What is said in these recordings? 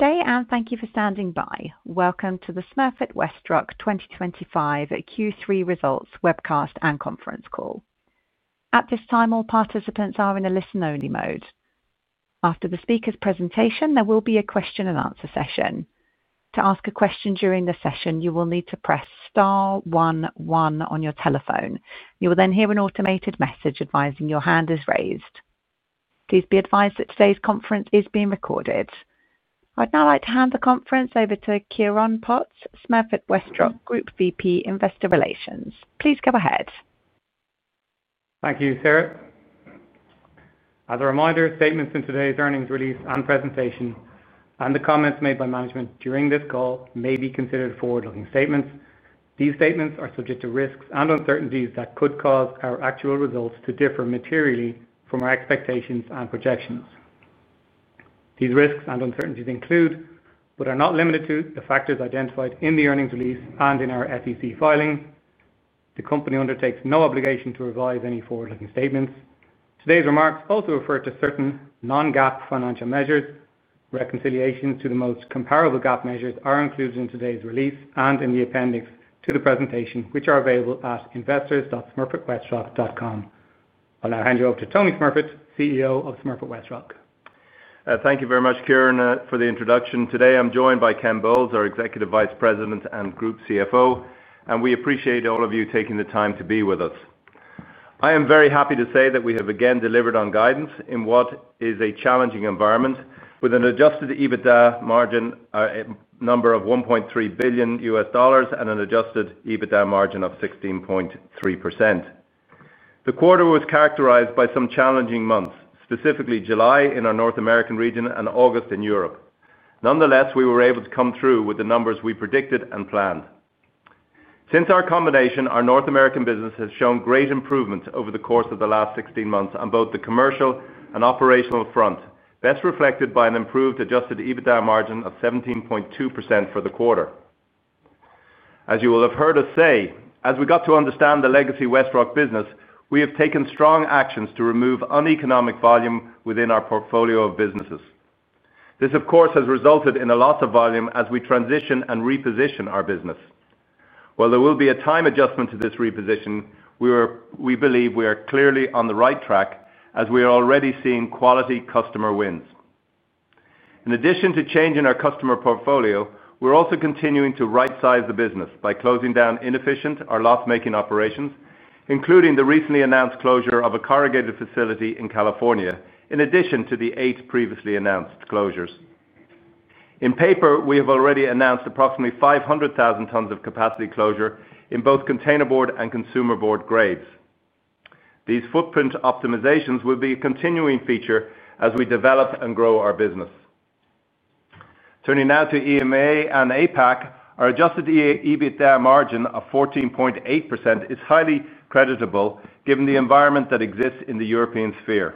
Good day and thank you for standing by. Welcome to the Smurfit Westrock 2025 Q3 Results webcast and conference call. At this time, all participants are in a listen-only mode. After the speaker's presentation, there will be a question and answer session. To ask a question during the session, you will need to press *11 on your telephone. You will then hear an automated message advising your hand is raised. Please be advised that today's conference is being recorded. I'd now like to hand the conference over to Ciaran Potts, Smurfit Westrock Group VP Investor Relations. Please go ahead. Thank you, Sarah. As a reminder, statements in today's earnings release and presentation and the comments made by management during this call may be considered forward-looking statements. These statements are subject to risks and uncertainties that could cause our actual results to differ materially from our expectations and projections. These risks and uncertainties include, but are not limited to, the factors identified in the earnings release and in our SEC filing. The company undertakes no obligation to revise any forward-looking statements. Today's remarks also refer to certain non-GAAP financial measures. Reconciliations to the most comparable GAAP measures are included in today's release and in the appendix to the presentation, which are available at investors.smurfitwestrock.com. I'll now hand you over to Tony Smurfit, CEO of Smurfit Westrock. Thank you very much, Ciaran, for the introduction. Today I'm joined by Ken Bowles, our Executive Vice President and Group CFO, and we appreciate all of you taking the time to be with us. I am very happy to say that we have again delivered on guidance in what is a challenging environment with an adjusted EBITDA at a number of $1.3 billion and an adjusted EBITDA margin of 16.3%. The quarter was characterized by some challenging months, specifically July in our North American region and August in Europe. Nonetheless, we were able to come through with the numbers we predicted and planned. Since our combination, our North American business has shown great improvements over the course of the last 16 months on both the commercial and operational front, best reflected by an improved adjusted EBITDA margin of 17.2% for the quarter. As you will have heard us say, as we got to understand the Legacy WestRock business, we have taken strong actions to remove uneconomic volume within our portfolio of businesses. This, of course, has resulted in a loss of volume as we transition and reposition our business. While there will be a time adjustment to this reposition, we believe we are clearly on the right track as we are already seeing quality customer wins. In addition to changing our customer portfolio, we're also continuing to right-size the business by closing down inefficient or loss-making operations, including the recently announced closure of a corrugated facility in California, in addition to the eight previously announced closures. In paper, we have already announced approximately 500,000 tons of capacity closure in both container board and consumer board grades. These footprint optimizations will be a continuing feature as we develop and grow our business. Turning now to EMEA and APAC, our adjusted EBITDA margin of 14.8% is highly creditable given the environment that exists in the European sphere.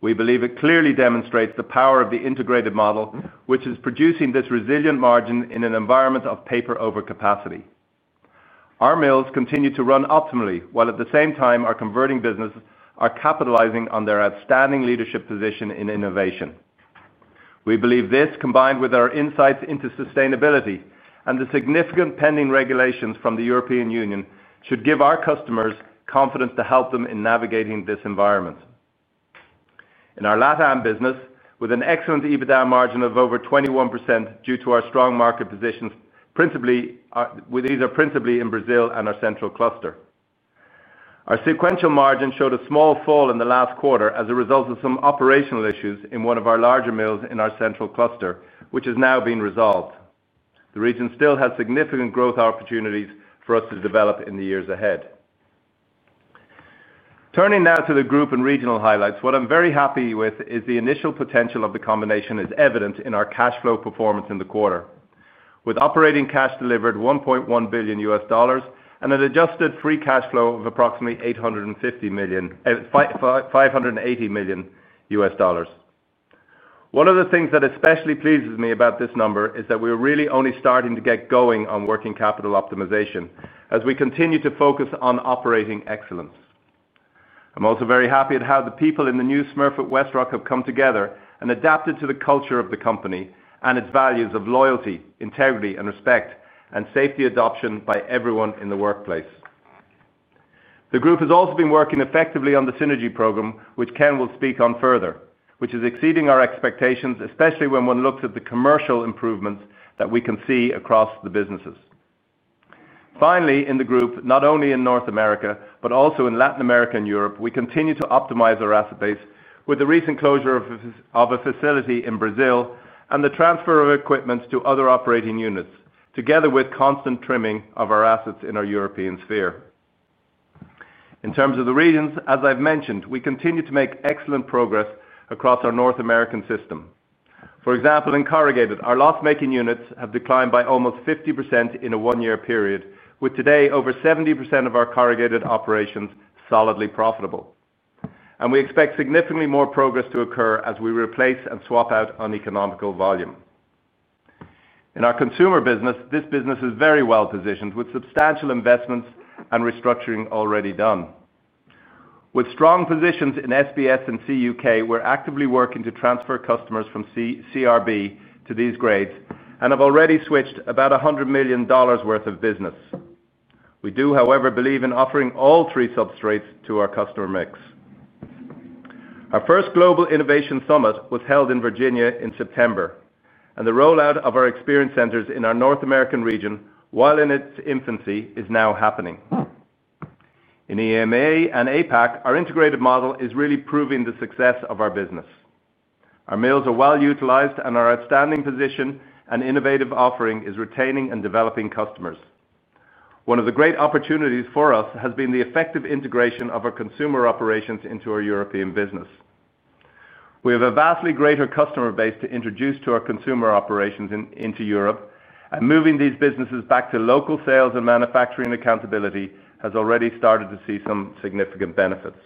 We believe it clearly demonstrates the power of the integrated model, which is producing this resilient margin in an environment of paper overcapacity. Our mills continue to run optimally, while at the same time our converting businesses are capitalizing on their outstanding leadership position in innovation. We believe this, combined with our insights into sustainability and the significant pending regulations from the European Union, should give our customers confidence to help them in navigating this environment. In our Latin America business, with an excellent EBITDA margin of over 21% due to our strong market positions, these are principally in Brazil and our central cluster. Our sequential margin showed a small fall in the last quarter as a result of some operational issues in one of our larger mills in our central cluster, which has now been resolved. The region still has significant growth opportunities for us to develop in the years ahead. Turning now to the group and regional highlights, what I'm very happy with is the initial potential of the combination is evident in our cash flow performance in the quarter, with operating cash delivered $1.1 billion and an adjusted free cash flow of approximately $850 million, $580 million. One of the things that especially pleases me about this number is that we are really only starting to get going on working capital optimization as we continue to focus on operating excellence. I'm also very happy at how the people in the new Smurfit Westrock have come together and adapted to the culture of the company and its values of loyalty, integrity, and respect, and safety adoption by everyone in the workplace. The group has also been working effectively on the synergy program, which Ken Bowles will speak on further, which is exceeding our expectations, especially when one looks at the commercial improvements that we can see across the businesses. Finally, in the group, not only in North America, but also in Latin America and Europe, we continue to optimize our asset base with the recent closure of a facility in Brazil and the transfer of equipment to other operating units, together with constant trimming of our assets in our European sphere. In terms of the regions, as I've mentioned, we continue to make excellent progress across our North American system. For example, in corrugated, our loss-making units have declined by almost 50% in a one-year period, with today over 70% of our corrugated operations solidly profitable. We expect significantly more progress to occur as we replace and swap out uneconomical volume. In our consumer business, this business is very well positioned with substantial investments and restructuring already done. With strong positions in SBS and CUK, we're actively working to transfer customers from CRB to these grades and have already switched about $100 million worth of business. We do, however, believe in offering all three substrates to our customer mix. Our first global innovation summit was held in Virginia in September, and the rollout of our experience centers in our North American region, while in its infancy, is now happening. In EMEA and APAC, our integrated model is really proving the success of our business. Our mills are well utilized, and our outstanding position and innovative offering is retaining and developing customers. One of the great opportunities for us has been the effective integration of our consumer operations into our European business. We have a vastly greater customer base to introduce to our consumer operations into Europe, and moving these businesses back to local sales and manufacturing accountability has already started to see some significant benefits.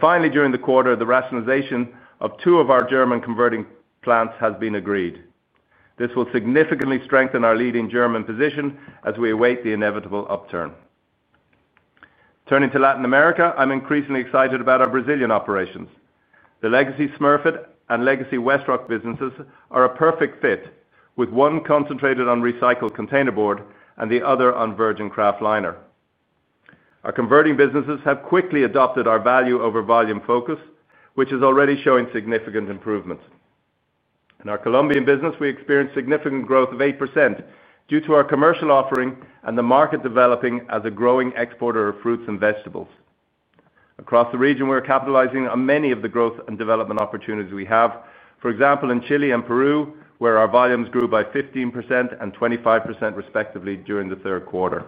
Finally, during the quarter, the rationalization of two of our German converting plants has been agreed. This will significantly strengthen our leading German position as we await the inevitable upturn. Turning to Latin America, I'm increasingly excited about our Brazilian operations. The Legacy Smurfit and Legacy WestRock businesses are a perfect fit, with one concentrated on recycled container board and the other on virgin kraft liner. Our converting businesses have quickly adopted our value over volume focus, which is already showing significant improvement. In our Colombian business, we experienced significant growth of 8% due to our commercial offering and the market developing as a growing exporter of fruits and vegetables. Across the region, we're capitalizing on many of the growth and development opportunities we have, for example, in Chile and Peru, where our volumes grew by 15% and 25% respectively during the third quarter.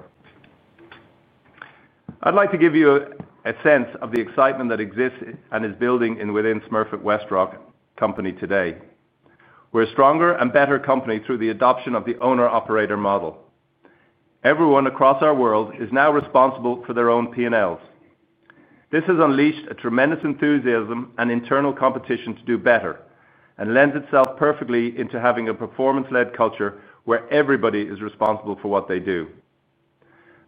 I'd like to give you a sense of the excitement that exists and is building within Smurfit Westrock today. We're a stronger and better company through the adoption of the owner-operator model. Everyone across our world is now responsible for their own P&Ls. This has unleashed a tremendous enthusiasm and internal competition to do better and lends itself perfectly into having a performance-led culture where everybody is responsible for what they do.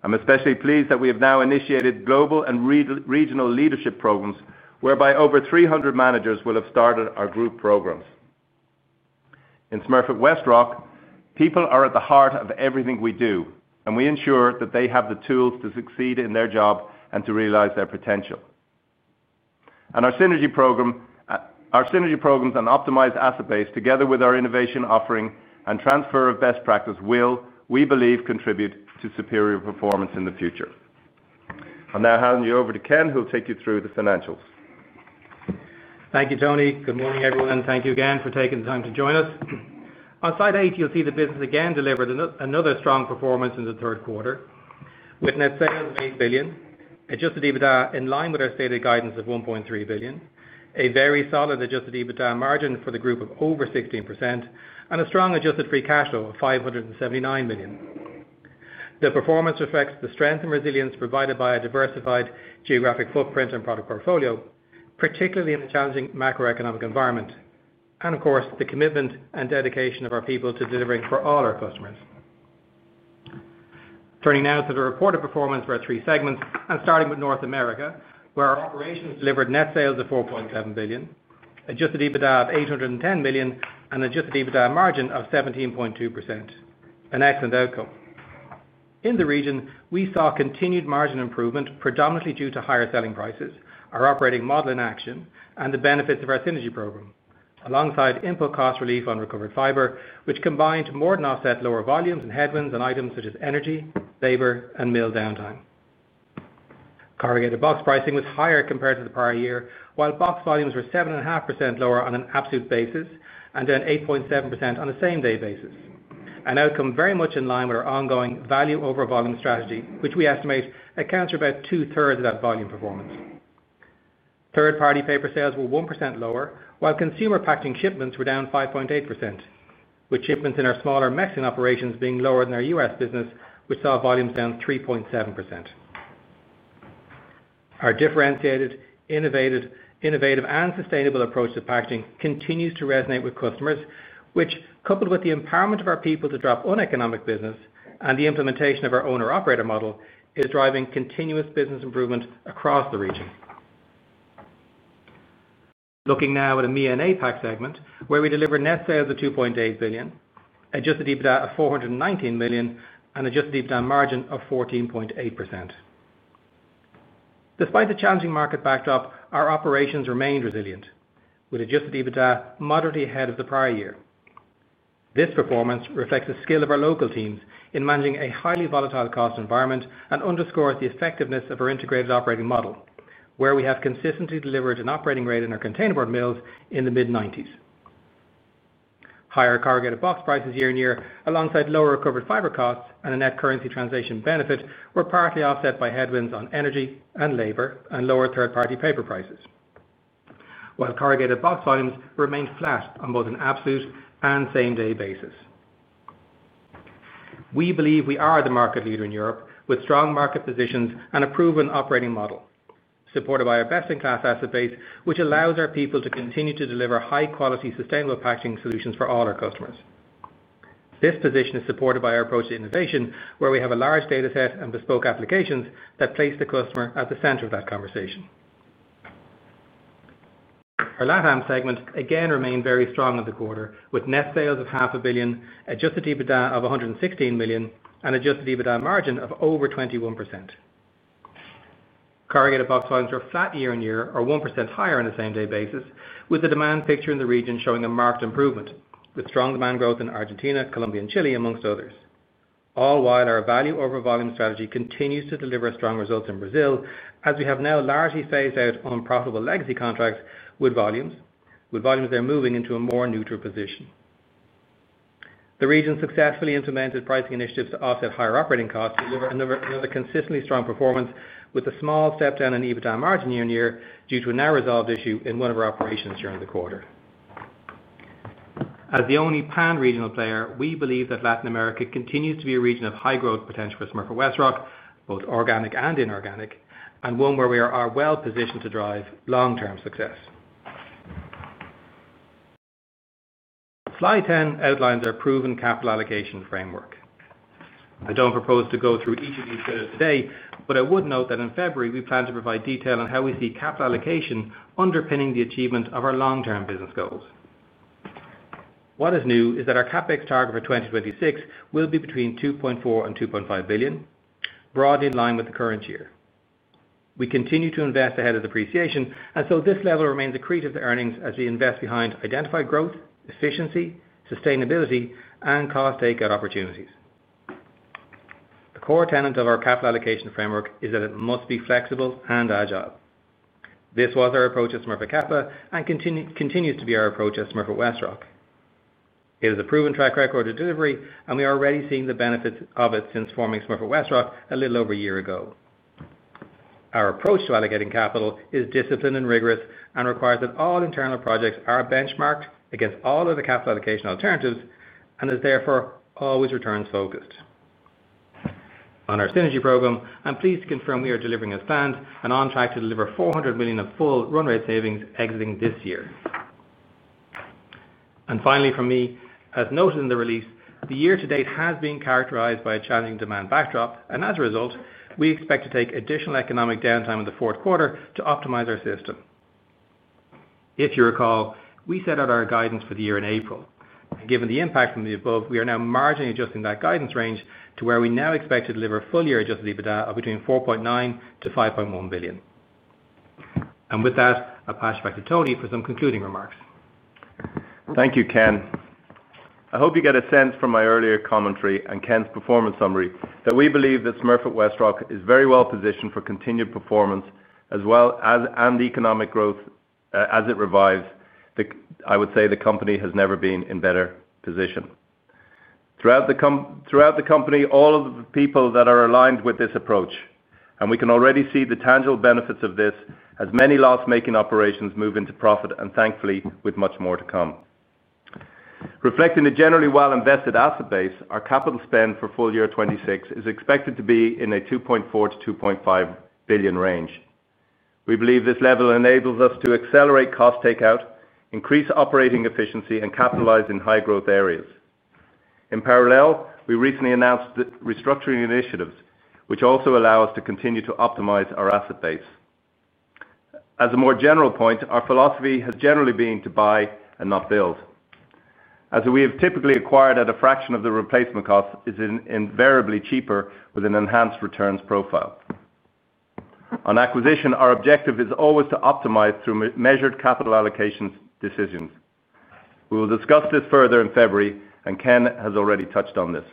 I'm especially pleased that we have now initiated global and regional leadership programs, whereby over 300 managers will have started our group programs. In Smurfit Westrock, people are at the heart of everything we do, and we ensure that they have the tools to succeed in their job and to realize their potential. Our synergy programs and optimized asset base, together with our innovation offering and transfer of best practice, will, we believe, contribute to superior performance in the future. I'm now handing you over to Ken, who will take you through the financials. Thank you, Tony. Good morning, everyone. Thank you again for taking the time to join us. On slide eight, you'll see the business again delivered another strong performance in the third quarter, with net sales of $8 billion, adjusted EBITDA in line with our stated guidance of $1.3 billion, a very solid adjusted EBITDA margin for the group of over 16%, and a strong adjusted free cash flow of $579 million. The performance reflects the strength and resilience provided by a diversified geographic footprint and product portfolio, particularly in a challenging macroeconomic environment, and of course, the commitment and dedication of our people to delivering for all our customers. Turning now to the reported performance for our three segments and starting with North America, where our operations delivered net sales of $4.7 billion, adjusted EBITDA of $810 million, and an adjusted EBITDA margin of 17.2%. An excellent outcome. In the region, we saw continued margin improvement, predominantly due to higher selling prices, our operating model in action, and the benefits of our synergy program, alongside input cost relief on recovered fiber, which combined more than offset lower volumes and headwinds on items such as energy, labor, and mill downtime. Corrugated box pricing was higher compared to the prior year, while box volumes were 7.5% lower on an absolute basis and then 8.7% on a same-day basis. An outcome very much in line with our ongoing value over volume strategy, which we estimate accounts for about two-thirds of that volume performance. Third-party paper sales were 1% lower, while consumer packaging shipments were down 5.8%, with shipments in our smaller Mexican operations being lower than our U.S. business, which saw volumes down 3.7%. Our differentiated, innovative, and sustainable approach to packaging continues to resonate with customers, which, coupled with the empowerment of our people to drop uneconomic business and the implementation of our owner-operator model, is driving continuous business improvement across the region. Looking now at EMEA and APAC segment, where we deliver net sales of $2.8 billion, adjusted EBITDA of $419 million, and an adjusted EBITDA margin of 14.8%. Despite the challenging market backdrop, our operations remained resilient, with adjusted EBITDA moderately ahead of the prior year. This performance reflects the skill of our local teams in managing a highly volatile cost environment and underscores the effectiveness of our integrated operating model, where we have consistently delivered an operating rate in our container board mills in the mid-90s. Higher corrugated box prices year-on-year, alongside lower recovered fiber costs and a net currency translation benefit, were partly offset by headwinds on energy and labor and lower third-party paper prices, while corrugated box volumes remained flat on both an absolute and same-day basis. We believe we are the market leader in Europe, with strong market positions and a proven operating model, supported by a best-in-class asset base, which allows our people to continue to deliver high-quality, sustainable packaging solutions for all our customers. This position is supported by our approach to innovation, where we have a large dataset and bespoke applications that place the customer at the center of that conversation. Our Latin America segment again remained very strong in the quarter, with net sales of $500 million, adjusted EBITDA of $116 million, and an adjusted EBITDA margin of over 21%. Corrugated box volumes were flat year-on-year, or 1% higher on a same-day basis, with the demand picture in the region showing a marked improvement, with strong demand growth in Argentina, Colombia, and Chile, amongst others. All while our value over volume strategy continues to deliver strong results in Brazil, as we have now largely phased out unprofitable Legacy contracts with volumes, with volumes there moving into a more neutral position. The region successfully implemented pricing initiatives to offset higher operating costs and deliver another consistently strong performance, with a small step down in EBITDA margin year-on-year due to a now resolved issue in one of our operations during the quarter. As the only pan-regional player, we believe that Latin America continues to be a region of high growth potential for Smurfit Westrock, both organic and inorganic, and one where we are well positioned to drive long-term success. Slide 10 outlines our proven capital allocation framework. I don't propose to go through each of these pillars today, but I would note that in February, we plan to provide detail on how we see capital allocation underpinning the achievement of our long-term business goals. What is new is that our CapEx target for 2026 will be between $2.4 billion-$2.5 billion, broadly in line with the current year. We continue to invest ahead of depreciation, and this level remains accretive to earnings as we invest behind identified growth, efficiency, sustainability, and cost takeout opportunities. The core tenet of our capital allocation framework is that it must be flexible and agile. This was our approach at Smurfit Kappa and continues to be our approach at Smurfit Westrock. It is a proven track record of delivery, and we are already seeing the benefits of it since forming Smurfit Westrock a little over a year ago. Our approach to allocating capital is disciplined and rigorous and requires that all internal projects are benchmarked against all other capital allocation alternatives and is therefore always returns-focused. On our synergy program, I'm pleased to confirm we are delivering as planned and on track to deliver $400 million of full run-rate savings exiting this year. Finally, as noted in the release, the year to date has been characterized by a challenging demand backdrop, and as a result, we expect to take additional economic downtime in the fourth quarter to optimize our system. If you recall, we set out our guidance for the year in April. Given the impact from the above, we are now marginally adjusting that guidance range to where we now expect to deliver full-year adjusted EBITDA of between $4.9 billion-$5.1 billion. With that, I'll pass you back to Tony for some concluding remarks. Thank you, Ken. I hope you get a sense from my earlier commentary and Ken's performance summary that we believe that Smurfit Westrock is very well positioned for continued performance as well as economic growth as it revives. I would say the company has never been in a better position. Throughout the company, all of the people that are aligned with this approach, and we can already see the tangible benefits of this as many loss-making operations move into profit and thankfully with much more to come. Reflecting the generally well-invested asset base, our capital spend for full year 2026 is expected to be in a $2.4 billion-$2.5 billion range. We believe this level enables us to accelerate cost takeout, increase operating efficiency, and capitalize in high-growth areas. In parallel, we recently announced restructuring initiatives, which also allow us to continue to optimize our asset base. As a more general point, our philosophy has generally been to buy and not build. As we have typically acquired at a fraction of the replacement cost, it is invariably cheaper with an enhanced returns profile. On acquisition, our objective is always to optimize through measured capital allocation decisions. We will discuss this further in February, and Ken has already touched on this.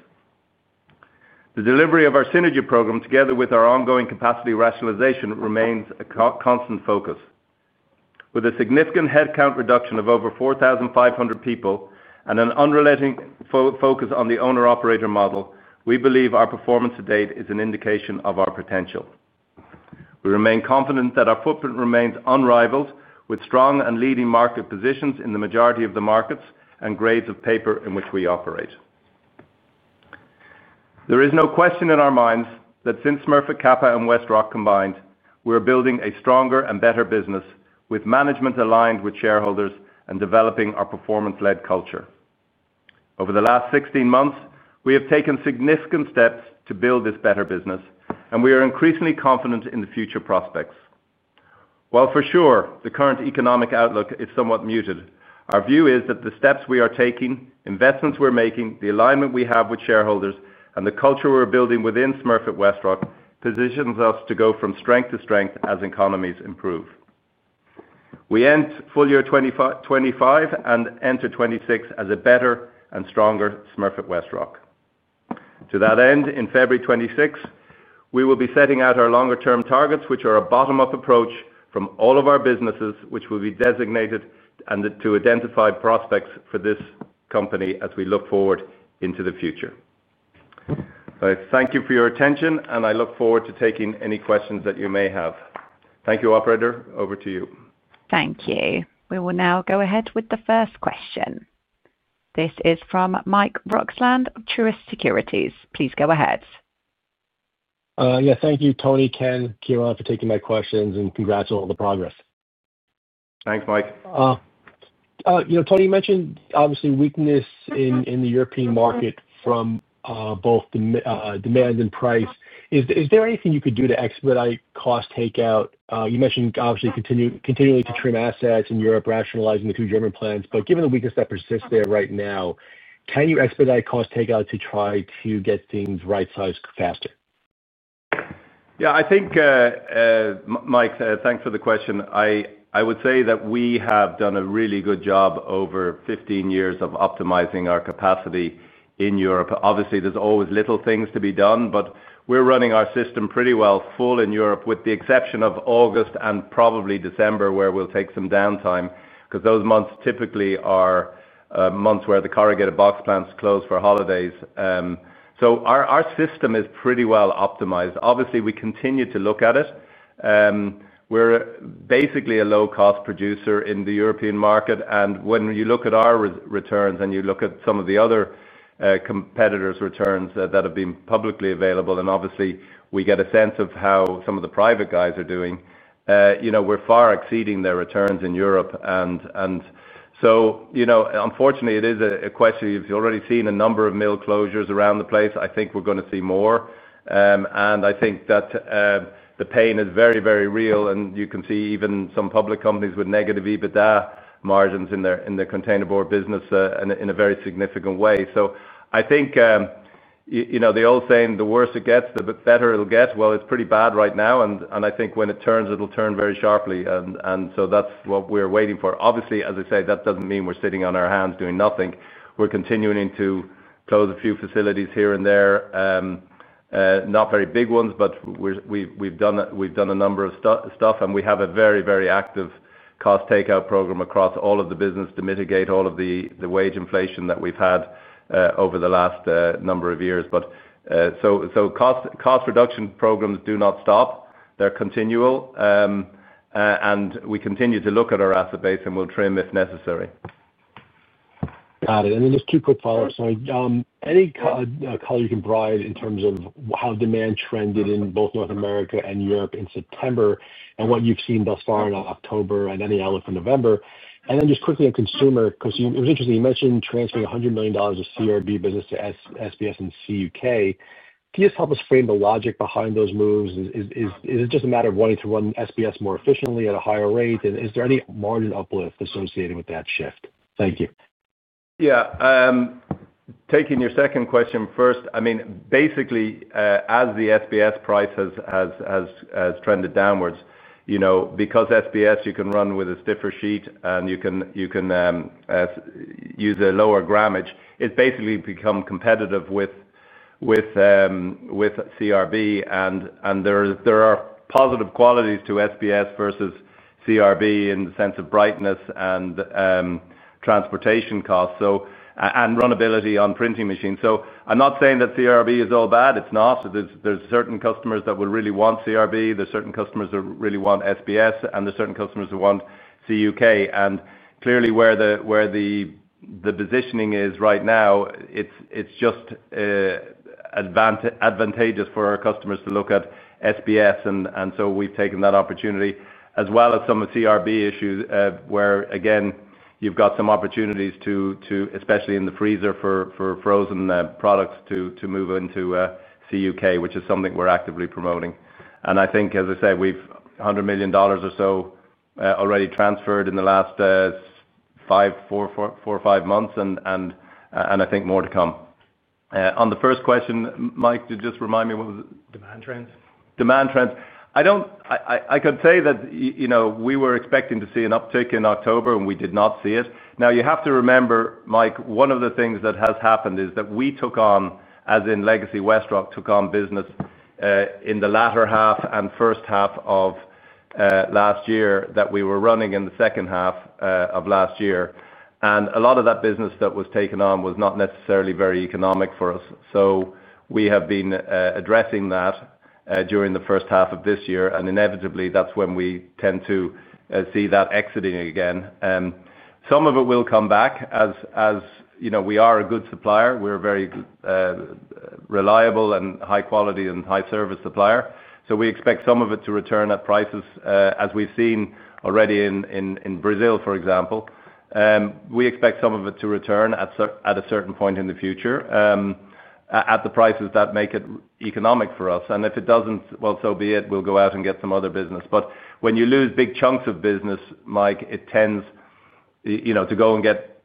The delivery of our synergy program, together with our ongoing capacity rationalization, remains a constant focus. With a significant headcount reduction of over 4,500 people and an unrelenting focus on the owner-operator model, we believe our performance to date is an indication of our potential. We remain confident that our footprint remains unrivaled, with strong and leading market positions in the majority of the markets and grades of paper in which we operate. There is no question in our minds that since Smurfit Kappa and WestRock combined, we are building a stronger and better business with management aligned with shareholders and developing our performance-led culture. Over the last 16 months, we have taken significant steps to build this better business, and we are increasingly confident in the future prospects. While for sure the current economic outlook is somewhat muted, our view is that the steps we are taking, investments we're making, the alignment we have with shareholders, and the culture we're building within Smurfit Westrock positions us to go from strength to strength as economies improve. We end full year 2025 and enter 2026 as a better and stronger Smurfit Westrock. To that end, in February 2026, we will be setting out our longer-term targets, which are a bottom-up approach from all of our businesses, which will be designated to identify prospects for this company as we look forward into the future. Thank you for your attention, and I look forward to taking any questions that you may have. Thank you, operator. Over to you. Thank you. We will now go ahead with the first question. This is from Mike Roxland of Truist Securities. Please go ahead. Yeah, thank you, Tony, Ken, Ciaran, for taking my questions and congrats on all the progress. Thanks, Mike. You know, Tony mentioned obviously weakness in the European market from both demand and price. Is there anything you could do to expedite cost takeout? You mentioned obviously continuing to trim assets in Europe, rationalizing the two German plants. Given the weakness that persists there right now, can you expedite cost takeout to try to get things right-sized faster? Yeah, I think Mike said, thanks for the question. I would say that we have done a really good job over 15 years of optimizing our capacity in Europe. Obviously, there's always little things to be done, but we're running our system pretty well full in Europe, with the exception of August and probably December, where we'll take some downtime, because those months typically are months where the corrugated box plants close for holidays. Our system is pretty well optimized. Obviously, we continue to look at it. We're basically a low-cost producer in the European market. When you look at our returns and you look at some of the other competitors' returns that have been publicly available, and obviously we get a sense of how some of the private guys are doing, we're far exceeding their returns in Europe. Unfortunately, it is a question if you've already seen a number of mill closures around the place. I think we're going to see more. I think that the pain is very, very real. You can see even some public companies with negative EBITDA margins in their container board business in a very significant way. I think the old saying, the worse it gets, the better it'll get. It's pretty bad right now. I think when it turns, it'll turn very sharply. That's what we're waiting for. Obviously, as I say, that doesn't mean we're sitting on our hands doing nothing. We're continuing to close a few facilities here and there, not very big ones, but we've done a number of stuff. We have a very, very active cost takeout program across all of the business to mitigate all of the wage inflation that we've had over the last number of years. Cost reduction programs do not stop. They're continual. We continue to look at our asset base, and we'll trim if necessary. Got it. Just two quick follow-ups. Sorry. Any color you can provide in terms of how demand trended in both North America and Europe in September and what you've seen thus far in October, and any outlook for November? Just quickly on consumer, because it was interesting, you mentioned transferring $100 million of CRB business to SBS and CUK. Can you help us frame the logic behind those moves? Is it just a matter of wanting to run SBS more efficiently at a higher rate? Is there any margin uplift associated with that shift? Thank you. Yeah, taking your second question first, I mean, basically, as the SBS price has trended downwards, you know, because SBS, you can run with a stiffer sheet and you can use a lower grammage, it's basically become competitive with CRB. There are positive qualities to SBS versus CRB in the sense of brightness and transportation costs and runability on printing machines. I'm not saying that CRB is all bad. It's not. There are certain customers that will really want CRB. There are certain customers that really want SBS. There are certain customers that want CUK. Clearly, where the positioning is right now, it's just advantageous for our customers to look at SBS. We have taken that opportunity, as well as some of CRB issues where, again, you've got some opportunities to, especially in the freezer for frozen products, to move into CUK, which is something we're actively promoting. I think, as I say, we've $100 million or so already transferred in the last four or five months, and I think more to come. On the first question, Mike, did you just remind me what was? Demand trends? Demand trends. I could say that, you know, we were expecting to see an uptick in October, and we did not see it. Now, you have to remember, Mike, one of the things that has happened is that we took on, as in Legacy WestRock, took on business in the latter half and first half of last year that we were running in the second half of last year. A lot of that business that was taken on was not necessarily very economic for us. We have been addressing that during the first half of this year. Inevitably, that's when we tend to see that exiting again. Some of it will come back, as you know, we are a good supplier. We're a very reliable and high-quality and high-service supplier. We expect some of it to return at prices, as we've seen already in Brazil, for example. We expect some of it to return at a certain point in the future at the prices that make it economic for us. If it doesn't, so be it. We'll go out and get some other business. When you lose big chunks of business, Mike, it tends to go and get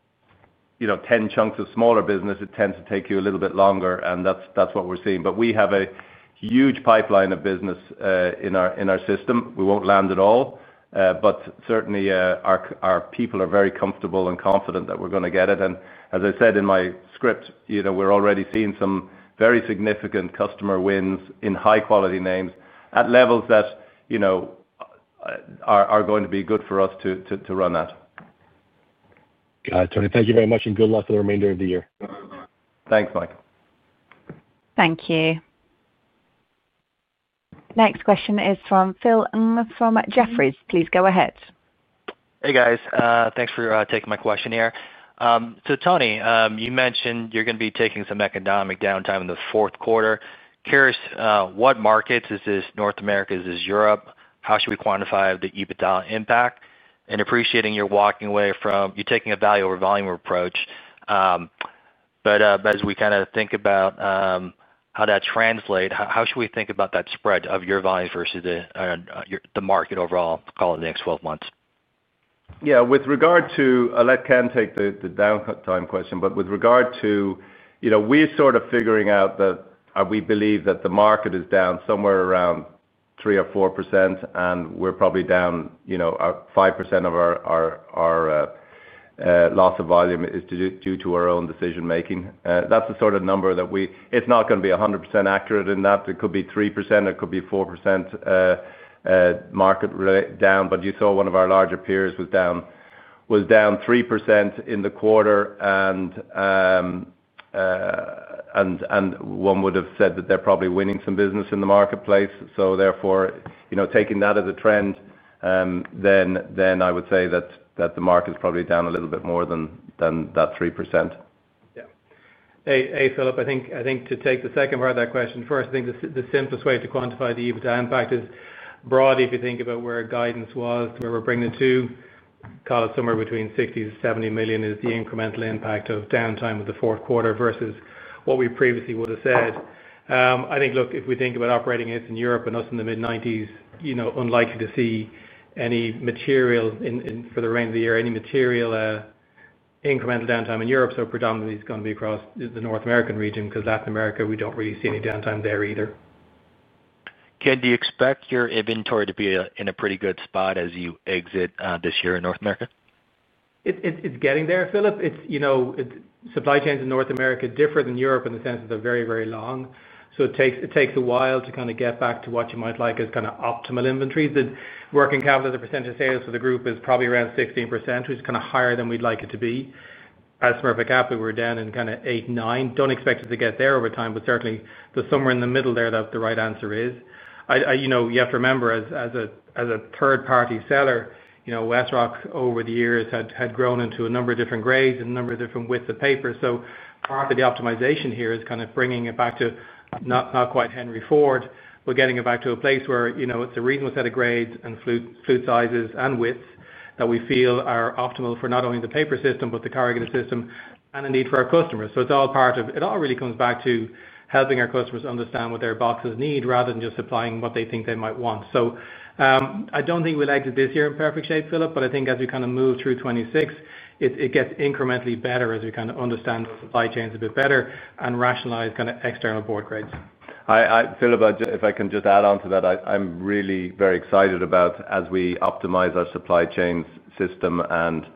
10 chunks of smaller business. It tends to take you a little bit longer. That's what we're seeing. We have a huge pipeline of business in our system. We won't land it all. Certainly, our people are very comfortable and confident that we're going to get it. As I said in my script, we're already seeing some very significant customer wins in high-quality names at levels that are going to be good for us to run at. Got it, Tony. Thank you very much, and good luck for the remainder of the year. Thanks, Mike. Thank you. Next question is from Phil Ng from Jefferies. Please go ahead. Hey, guys. Thanks for taking my question here. Tony, you mentioned you're going to be taking some economic downtime in the fourth quarter. Curious, what markets? Is this North America? Is this Europe? How should we quantify the EBITDA impact? Appreciating you're walking away from, you're taking a value over volume approach. As we kind of think about how that translates, how should we think about that spread of your volumes versus the market overall, call it the next 12 months? With regard to, let Ken take the downtime question, but with regard to, you know, we're sort of figuring out that we believe that the market is down somewhere around 3% or 4%. We're probably down, you know, 5% of our loss of volume is due to our own decision-making. That's the sort of number that we, it's not going to be 100% accurate in that. It could be 3%. It could be 4% market down. You saw one of our larger peers was down 3% in the quarter. One would have said that they're probably winning some business in the marketplace. Therefore, taking that as a trend, I would say that the market's probably down a little bit more than that 3%. Yeah. Hey, Philip, I think to take the second part of that question first, the simplest way to quantify the EBITDA impact is broad. If you think about where guidance was to where we're bringing it to, call it somewhere between $60 million-$70 million, is the incremental impact of downtime of the fourth quarter versus what we previously would have said. I think, look, if we think about operating hits in Europe and us in the mid-90s, it's unlikely to see any material for the remainder of the year, any material incremental downtime in Europe. Predominantly, it's going to be across the North American region because Latin America, we don't really see any downtime there either. Ken, do you expect your inventory to be in a pretty good spot as you exit this year in North America? It's getting there, Philip. Supply chains in North America differ from Europe in the sense that they're very, very long. It takes a while to get back to what you might like as optimal inventories. The working capital as a % of sales for the group is probably around 16%, which is higher than we'd like it to be. At Smurfit Kappa, we're down in 8%, 9%. Don't expect it to get there over time, but certainly somewhere in the middle there, the right answer is. You have to remember, as a third-party seller, WestRock over the years had grown into a number of different grades and a number of different widths of paper. Part of the optimization here is bringing it back to not quite Henry Ford, but getting it back to a place where it's a reasonable set of grades and flute sizes and widths that we feel are optimal for not only the paper system, but the corrugated system and the need for our customers. It all really comes back to helping our customers understand what their boxes need rather than just supplying what they think they might want. I don't think we'll exit this year in perfect shape, Philip, but I think as we move through 2026, it gets incrementally better as we understand those supply chains a bit better and rationalize external board grades. Philip, if I can just add on to that, I'm really very excited about as we optimize our supply chains system and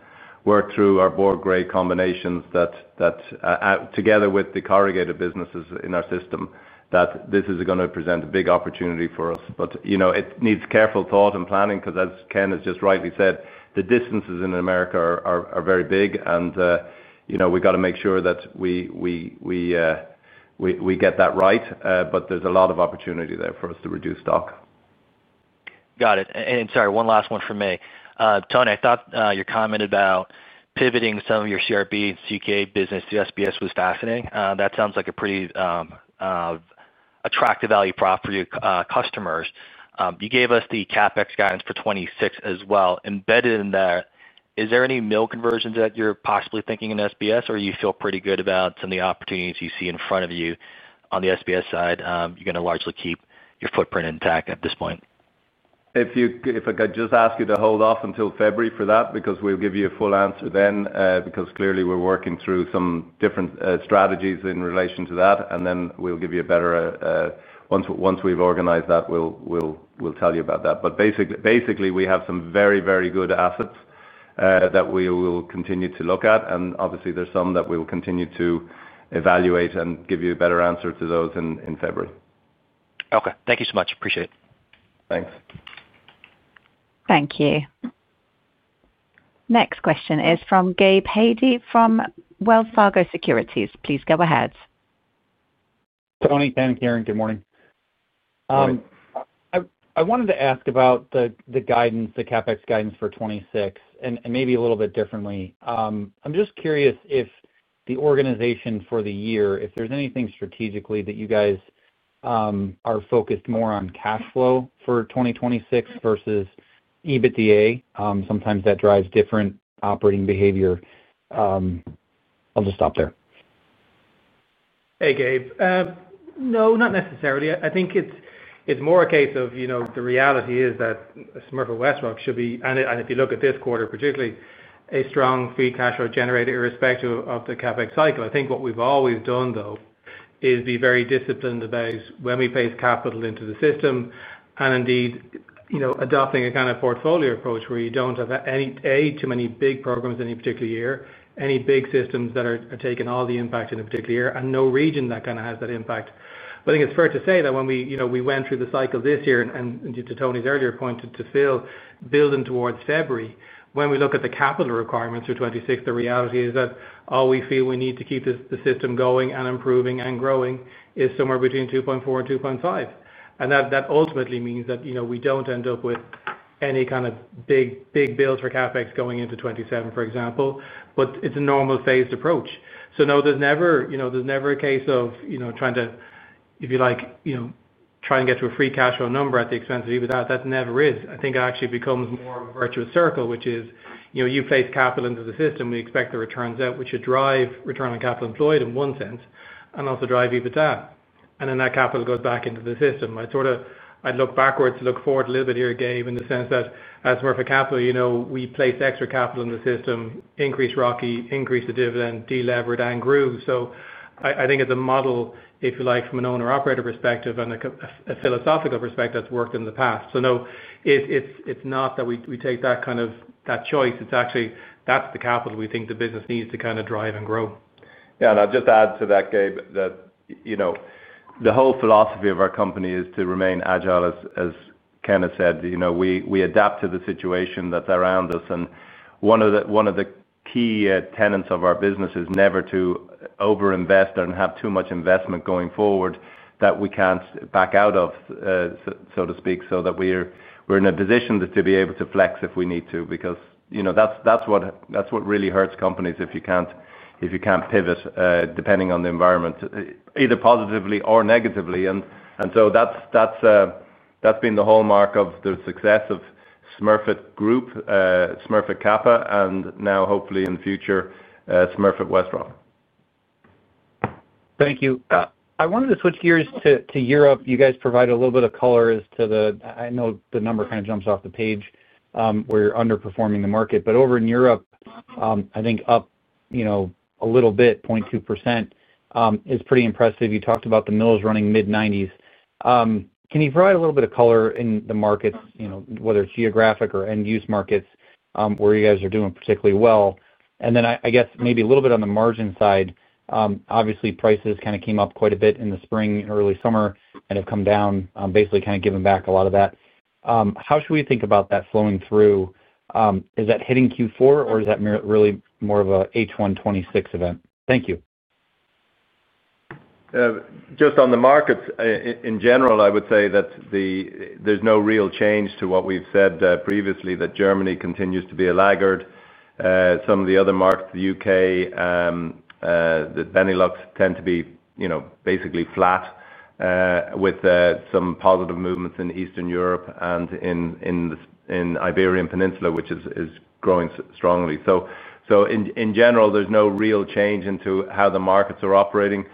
work through our board grade combinations that, together with the corrugated businesses in our system, this is going to present a big opportunity for us. It needs careful thought and planning because, as Ken has just rightly said, the distances in the U.S. are very big. We've got to make sure that we get that right. There's a lot of opportunity there for us to reduce stock. Got it. Sorry, one last one from me. Tony, I thought your comment about pivoting some of your CRB and CUK business to SBS was fascinating. That sounds like a pretty attractive value prop for your customers. You gave us the CapEx guidance for 2026 as well. Embedded in that, is there any mill conversions that you're possibly thinking in SBS, or do you feel pretty good about some of the opportunities you see in front of you on the SBS side? You're going to largely keep your footprint intact at this point. If I could just ask you to hold off until February for that, because we'll give you a full answer then, because clearly we're working through some different strategies in relation to that. We'll give you a better, once we've organized that, we'll tell you about that. Basically, we have some very, very good assets that we will continue to look at. Obviously, there's some that we will continue to evaluate and give you a better answer to those in February. Okay, thank you so much. Appreciate it. Thanks. Thank you. Next question is from Gabe Hajde from Wells Fargo Securities. Please go ahead. Tony, Ken, Ciaran, good morning. Hi. I wanted to ask about the guidance, the CapEx guidance for 2026, and maybe a little bit differently. I'm just curious if the organization for the year, if there's anything strategically that you guys are focused more on cash flow for 2026 versus EBITDA. Sometimes that drives different operating behavior. I'll just stop there. Hey, Gabe. No, not necessarily. I think it's more a case of, you know, the reality is that Smurfit Westrock should be, and if you look at this quarter particularly, a strong free cash flow generator irrespective of the CapEx cycle. I think what we've always done, though, is be very disciplined about when we place capital into the system. Indeed, adopting a kind of portfolio approach where you don't have too many big programs in any particular year, any big systems that are taking all the impact in a particular year, and no region that has that impact. I think it's fair to say that when we went through the cycle this year, and to Tony's earlier point to Phil, building towards February, when we look at the capital requirements for 2026, the reality is that all we feel we need to keep the system going and improving and growing is somewhere between $2.4 billion-$2.5 billion. That ultimately means that we don't end up with any kind of big, big bills for CapEx going into 2027, for example. It's a normal phased approach. No, there's never a case of trying to, if you like, try and get to a free cash flow number at the expense of EBITDA. That never is. I think it actually becomes more of a virtuous circle, which is, you place capital into the system. We expect the returns out, which should drive return on capital employed in one sense and also drive EBITDA. Then that capital goes back into the system. I'd look backwards, look forward a little bit here, Gabe, in the sense that as Smurfit Westrock, we place extra capital in the system, increase ROCI, increase the dividend, deleverage, and grow. I think it's a model, if you like, from an owner-operator perspective and a philosophical perspective that's worked in the past. No, it's not that we take that kind of choice. It's actually, that's the capital we think the business needs to drive and grow. Yeah, and I'll just add to that, Gabe, that the whole philosophy of our company is to remain agile, as Ken has said. We adapt to the situation that's around us. One of the key tenets of our business is never to overinvest and have too much investment going forward that we can't back out of, so to speak, so that we're in a position to be able to flex if we need to, because that's what really hurts companies if you can't pivot depending on the environment, either positively or negatively. That has been the hallmark of the success of Smurfit Group, Smurfit Kappa, and now hopefully in the future, Smurfit Westrock. Thank you. I wanted to switch gears to Europe. You guys provide a little bit of color as to the, I know the number kind of jumps off the page where you're underperforming the market. Over in Europe, I think up, you know, a little bit, 0.2% is pretty impressive. You talked about the mills running mid-90s. Can you provide a little bit of color in the markets, you know, whether it's geographic or end-use markets, where you guys are doing particularly well? I guess maybe a little bit on the margin side, obviously prices kind of came up quite a bit in the spring and early summer and have come down, basically kind of given back a lot of that. How should we think about that flowing through? Is that hitting Q4 or is that really more of an H1 2026 event? Thank you. Just on the markets in general, I would say that there's no real change to what we've said previously, that Germany continues to be a laggard. Some of the other markets, the UK, the Benelux tend to be basically flat, with some positive movements in Eastern Europe and in the Iberian Peninsula, which is growing strongly. In general, there's no real change into how the markets are operating.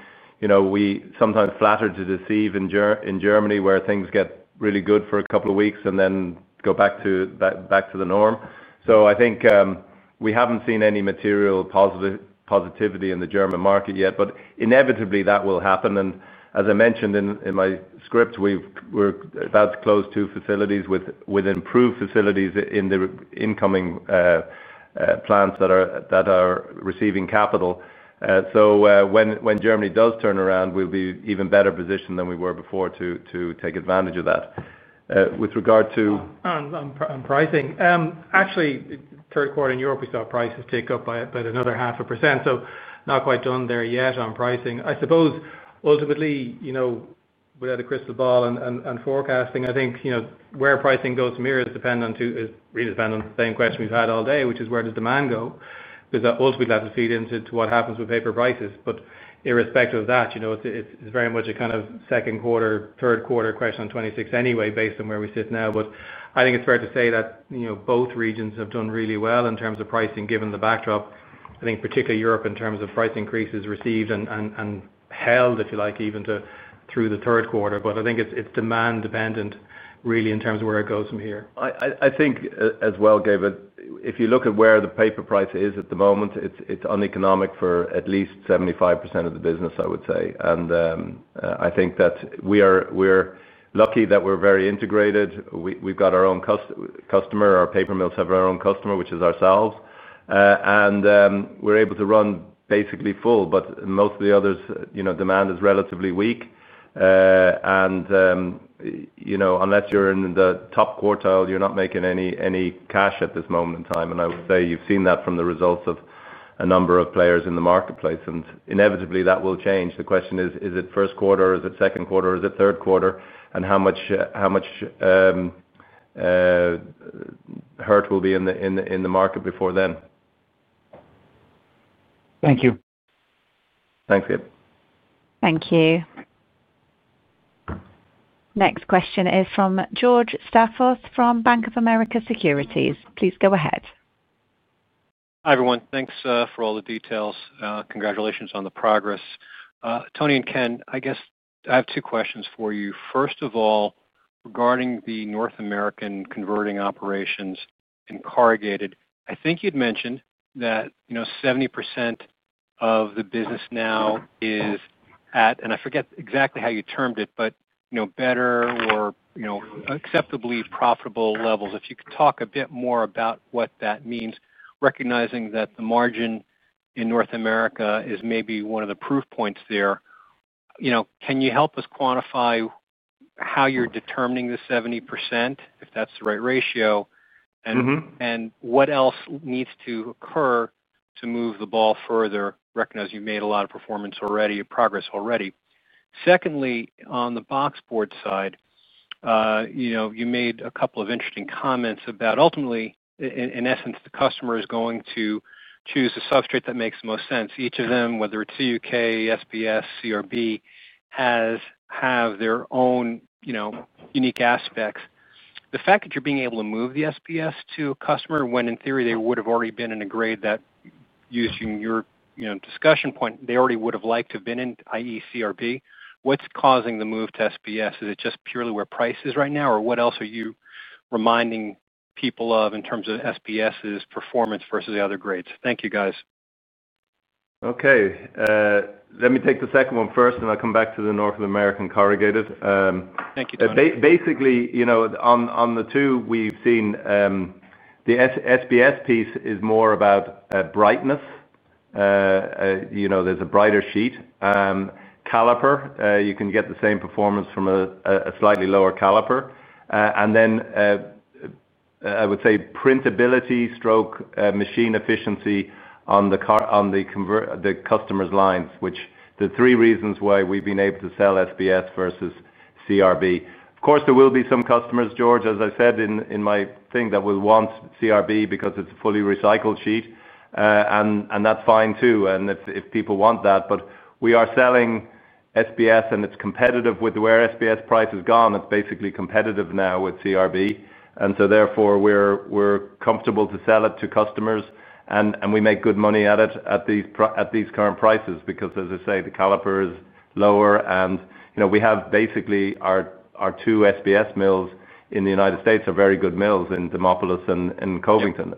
We sometimes flatter to deceive in Germany, where things get really good for a couple of weeks and then go back to the norm. I think we haven't seen any material positivity in the German market yet, but inevitably that will happen. As I mentioned in my script, we're about to close two facilities with improved facilities in the incoming plants that are receiving capital. When Germany does turn around, we'll be even better positioned than we were before to take advantage of that. With regard to. On pricing, actually, third quarter in Europe, we saw prices take up by another 0.5%. Not quite done there yet on pricing. I suppose ultimately, without a crystal ball and forecasting, I think where pricing goes from here is dependent on two, is really dependent on the same question we've had all day, which is where does demand go? Because ultimately, that'll feed into what happens with paper prices. Irrespective of that, it's very much a kind of second quarter, third quarter question on 2026 anyway, based on where we sit now. I think it's fair to say that both regions have done really well in terms of pricing given the backdrop. I think particularly Europe in terms of price increases received and held, if you like, even through the third quarter. I think it's demand dependent really in terms of where it goes from here. I think as well, Gabe, if you look at where the paper price is at the moment, it's uneconomic for at least 75% of the business, I would say. I think that we're lucky that we're very integrated. We've got our own customer. Our paper mills have our own customer, which is ourselves, and we're able to run basically full. Most of the others, you know, demand is relatively weak. Unless you're in the top quartile, you're not making any cash at this moment in time. I would say you've seen that from the results of a number of players in the marketplace. Inevitably, that will change. The question is, is it first quarter or is it second quarter or is it third quarter? How much hurt will be in the market before then? Thank you. Thanks, Gabe. Thank you. Next question is from George Staphos from Bank of America Securities. Please go ahead. Hi, everyone. Thanks for all the details. Congratulations on the progress. Tony and Ken, I guess I have two questions for you. First of all, regarding the North American converting operations in corrugated, I think you'd mentioned that 70% of the business now is at, and I forget exactly how you termed it, but better or acceptably profitable levels. If you could talk a bit more about what that means, recognizing that the margin in North America is maybe one of the proof points there. Can you help us quantify how you're determining the 70%, if that's the right ratio, and what else needs to occur to move the ball further, recognizing you've made a lot of progress already? Secondly, on the box board side, you made a couple of interesting comments about, ultimately, in essence, the customer is going to choose the substrate that makes the most sense. Each of them, whether it's CUK, SBS, CRB, have their own unique aspects. The fact that you're being able to move the SBS to a customer when in theory they would have already been in a grade that, using your discussion point, they already would have liked to have been in, i.e., CRB, what's causing the move to SBS? Is it just purely where price is right now, or what else are you reminding people of in terms of SBS's performance versus the other grades? Thank you, guys. Okay. Let me take the second one first, and I'll come back to the North American corrugated. Thank you, Tony. Basically, on the two, we've seen the SBS piece is more about brightness. There's a brighter sheet. Caliper, you can get the same performance from a slightly lower caliper. I would say printability, stroke machine efficiency on the customer's lines, which are the three reasons why we've been able to sell SBS versus CRB. Of course, there will be some customers, George, as I said in my thing, that will want CRB because it's a fully recycled sheet. That's fine too, if people want that. We are selling SBS, and it's competitive with where SBS price has gone. It's basically competitive now with CRB. Therefore, we're comfortable to sell it to customers, and we make good money at it at these current prices because, as I say, the caliper is lower. We have basically our two SBS mills in the United States, which are very good mills in Demopolis and Covington.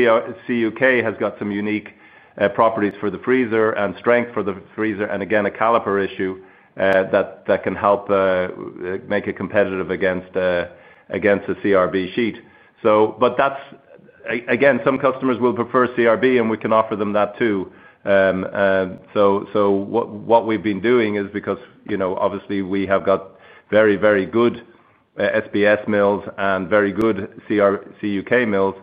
CUK has got some unique properties for the freezer and strength for the freezer, and again, a caliper issue that can help make it competitive against a CRB sheet. Some customers will prefer CRB, and we can offer them that too. What we've been doing is, because we have got very, very good SBS mills and very good CUK mills,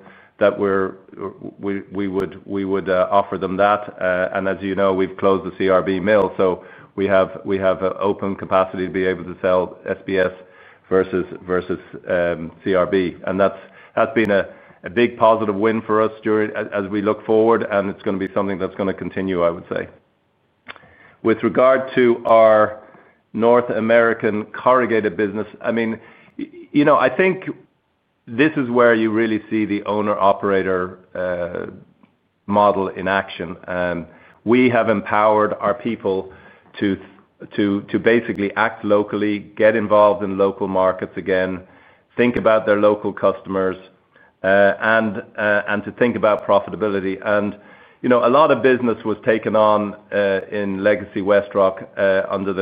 we would offer them that. As you know, we've closed the CRB mill, so we have open capacity to be able to sell SBS versus CRB. That's been a big positive win for us as we look forward, and it's going to be something that's going to continue, I would say. With regard to our North American corrugated business, I think this is where you really see the owner-operator model in action. We have empowered our people to act locally, get involved in local markets again, think about their local customers, and to think about profitability. A lot of business was taken on in Legacy WestRock under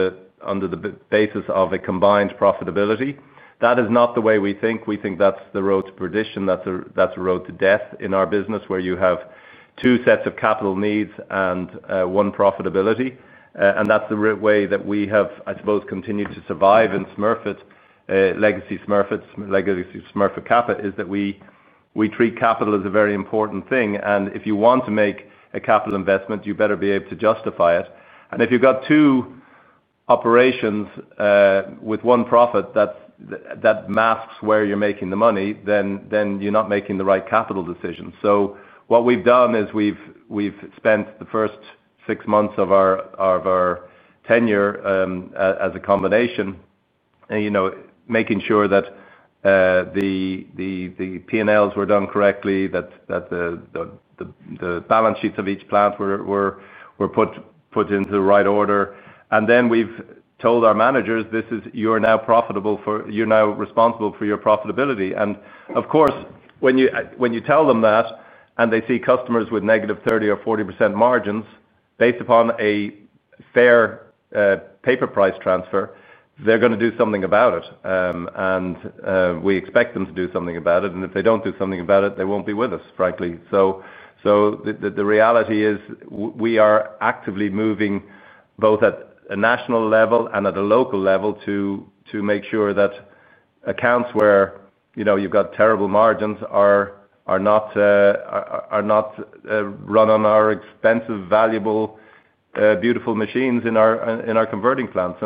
the basis of a combined profitability. That is not the way we think. We think that's the road to perdition. That's a road to death in our business where you have two sets of capital needs and one profitability. That's the way that we have, I suppose, continued to survive in Smurfit, Legacy Smurfit, Legacy Smurfit Kappa, is that we treat capital as a very important thing. If you want to make a capital investment, you better be able to justify it. If you've got two operations with one profit that masks where you're making the money, then you're not making the right capital decision. What we've done is we've spent the first six months of our tenure as a combination making sure that the P&Ls were done correctly, that the balance sheets of each plant were put into the right order. We've told our managers, you're now responsible for your profitability. Of course, when you tell them that and they see customers with -30% or -40% margins based upon a fair paper price transfer, they're going to do something about it. We expect them to do something about it. If they don't do something about it, they won't be with us, frankly. The reality is we are actively moving both at a national level and at a local level to make sure that accounts where you've got terrible margins are not run on our expensive, valuable, beautiful machines in our converting plants.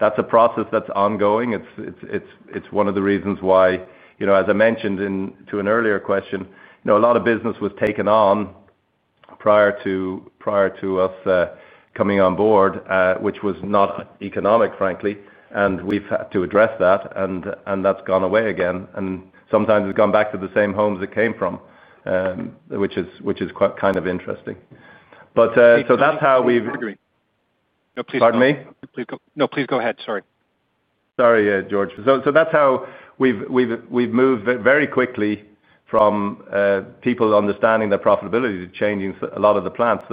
That's a process that's ongoing. It's one of the reasons why, as I mentioned to an earlier question, a lot of business was taken on prior to us coming on board, which was not economic, frankly. We've had to address that. That's gone away again. Sometimes it's gone back to the same homes it came from, which is kind of interesting. That's how we've. No, please. Pardon me? No, please go ahead. Sorry. Sorry, George. That's how we've moved very quickly from people understanding their profitability to changing a lot of the plants.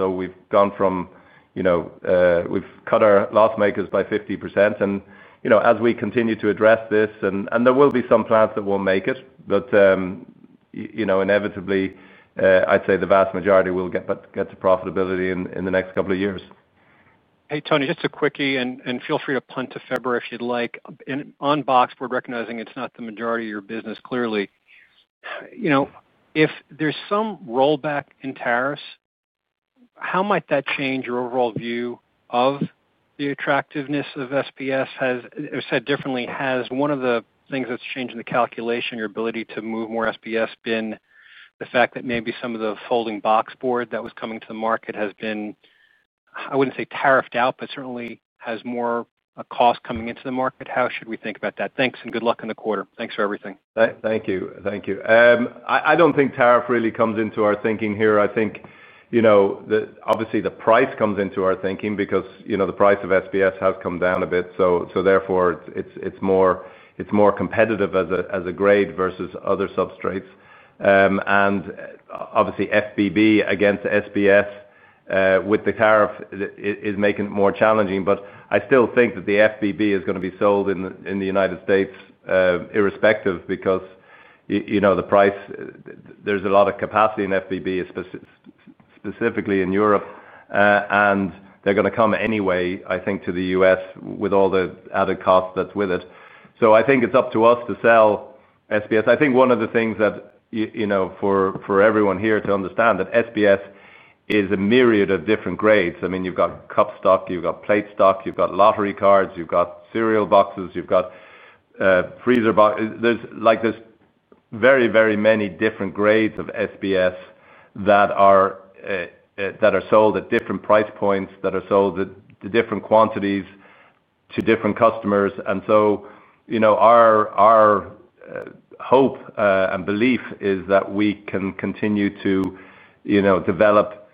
We've cut our loss makers by 50%, and as we continue to address this, there will be some plants that won't make it. Inevitably, I'd say the vast majority will get to profitability in the next couple of years. Hey, Tony, just a quickie, and feel free to punt to February if you'd like. On box board, recognizing it's not the majority of your business clearly, you know, if there's some rollback in tariffs, how might that change your overall view of the attractiveness of SBS? Or, said differently, has one of the things that's changed in the calculation, your ability to move more SBS, been the fact that maybe some of the folding box board that was coming to the market has been, I wouldn't say tariffed out, but certainly has more cost coming into the market? How should we think about that? Thanks, and good luck in the quarter. Thanks for everything. Thank you. Thank you. I don't think tariff really comes into our thinking here. I think, you know, obviously the price comes into our thinking because, you know, the price of SBS has come down a bit. Therefore, it's more competitive as a grade versus other substrates. Obviously, FBB against SBS with the tariff is making it more challenging. I still think that the FBB is going to be sold in the United States, irrespective, because, you know, the price, there's a lot of capacity in FBB, specifically in Europe. They're going to come anyway, I think, to the U.S. with all the added cost that's with it. I think it's up to us to sell SBS. One of the things that, you know, for everyone here to understand is that SBS is a myriad of different grades. I mean, you've got cup stock, you've got plate stock, you've got lottery cards, you've got cereal boxes, you've got freezer boxes. There are very, very many different grades of SBS that are sold at different price points, that are sold at different quantities to different customers. Our hope and belief is that we can continue to, you know, develop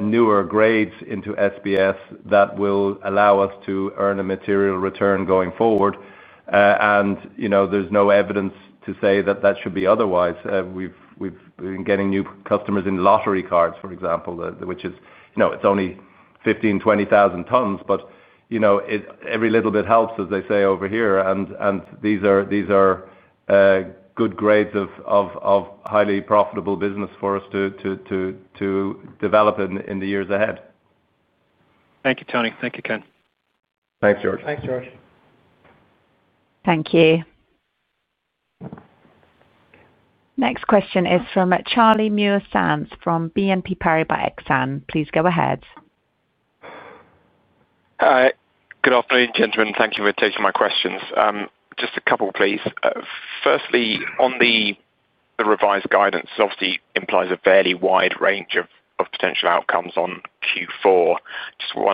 newer grades into SBS that will allow us to earn a material return going forward. There's no evidence to say that that should be otherwise. We've been getting new customers in lottery cards, for example, which is, you know, it's only 15,000 tons-20,000 tons, but, you know, every little bit helps, as they say over here. These are good grades of highly profitable business for us to develop in the years ahead. Thank you, Anthony. Thank you, Ken. Thanks, George. Thanks, George. Thank you. Next question is from Charlie Muir-Sands from BNP Paribas Exane. Please go ahead. Hi. Good afternoon, gentlemen. Thank you for taking my questions. Just a couple, please. Firstly, on the revised guidance, it obviously implies a fairly wide range of potential outcomes on Q4.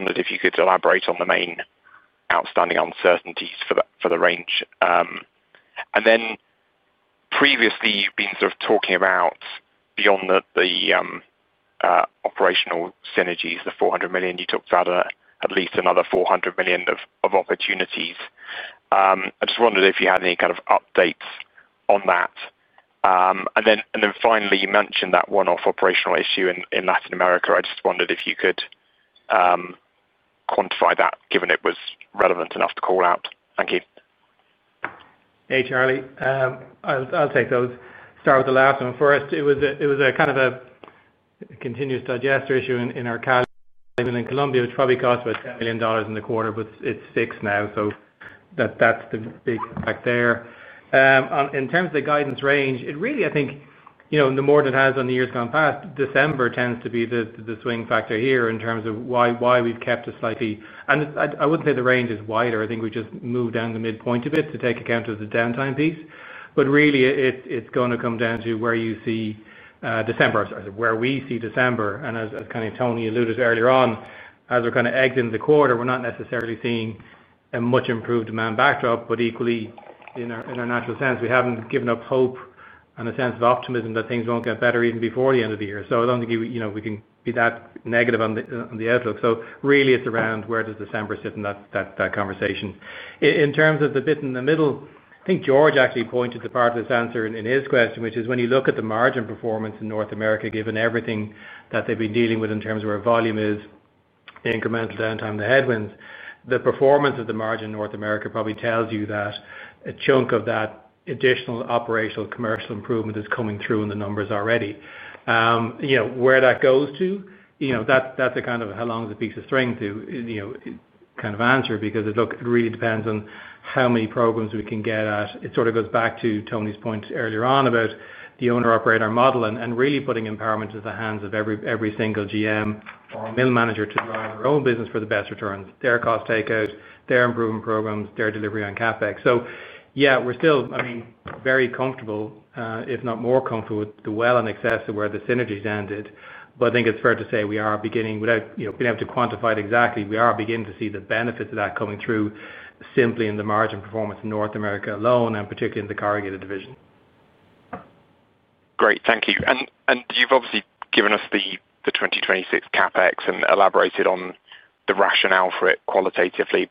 Could you elaborate on the main outstanding uncertainties for the range? Previously, you've been sort of talking about beyond the operational synergies, the $400 million you talked about, at least another $400 million of opportunities. I just wondered if you had any kind of updates on that. Finally, you mentioned that one-off operational issue in Latin America. I just wondered if you could quantify that, given it was relevant enough to call out. Thank you. Hey, Charlie. I'll take those. Start with the last one. First, it was a kind of a continuous digester issue in our calendar in Colombia, which probably cost about $10 million in the quarter, but it's six now. That's the big fact there. In terms of the guidance range, it really, I think, you know, the more that has on the years gone past, December tends to be the swing factor here in terms of why we've kept a slightly, and I wouldn't say the range is wider. I think we just moved down the midpoint a bit to take account of the downtime piece. It's going to come down to where you see December, where we see December. As kind of Tony alluded earlier on, as we're kind of exiting the quarter, we're not necessarily seeing a much improved demand backdrop, but equally, in our natural sense, we haven't given up hope and a sense of optimism that things won't get better even before the end of the year. I don't think, you know, we can be that negative on the outlook. It's around where does December sit in that conversation. In terms of the bit in the middle, I think George actually pointed to part of this answer in his question, which is when you look at the margin performance in North America, given everything that they've been dealing with in terms of where volume is, the incremental downtime, the headwinds, the performance of the margin in North America probably tells you that a chunk of that additional operational commercial improvement is coming through in the numbers already. Where that goes to, you know, that's a kind of how long is a piece of string to, you know, kind of answer because it really depends on how many programs we can get at. It goes back to Tony's point earlier on about the owner-operator model and really putting empowerment at the hands of every single GM or mill manager to drive their own business for the best returns, their cost takeout, their improvement programs, their delivery on CapEx. We're still, I mean, very comfortable, if not more comfortable with the well in excess of where the synergies ended. I think it's fair to say we are beginning, without being able to quantify it exactly, we are beginning to see the benefits of that coming through simply in the margin performance in North America alone, and particularly in the corrugated division. Thank you. You've obviously given us the 2026 CapEx and elaborated on the rationale for it qualitatively.